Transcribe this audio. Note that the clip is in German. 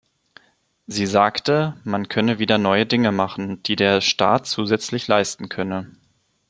Sie sagte, man könne wieder neue Dinge machen, die der Staat zusätzlich leisten könne.